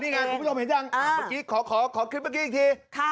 นี่ไงผมไม่ยอมเห็นยังขอคลิปเมื่อกี้อีกที